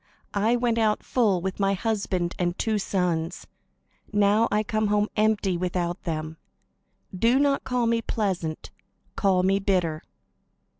I went out full, with my husband and two sons; now I come home empty, without them. Do not call me 'Pleasant,' call me 'Bitter.'"